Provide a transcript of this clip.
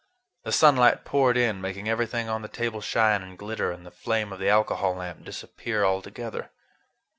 The sunlight poured in, making everything on the table shine and glitter and the flame of the alcohol lamp disappear altogether.